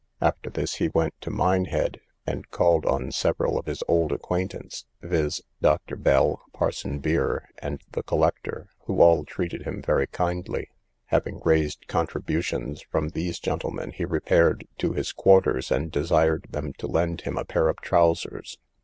After this he went to Minehead, and called on several of his old acquaintance, viz. Dr. Bell, Parson Beer, and the Collector, who all treated him very kindly. Having raised contributions from these gentlemen, he repaired to his quarters, and desired them to lend him a pair of trowsers.